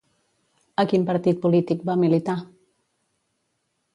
A quin partit polític va militar?